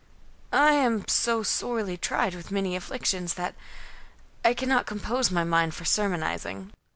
"I am so sorely tried with my many afflictions, that I cannot compose my mind for sermonizing."